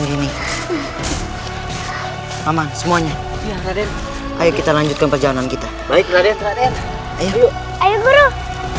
ini aman semuanya ayo kita lanjutkan perjalanan kita baik radyat radyat ayo ayo guru